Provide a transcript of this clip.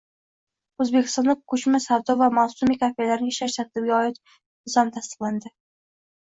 O‘zbekistonda ko‘chma savdo va mavsumiy kafelarning ishlash tartibiga oid nizom tasdiqlandi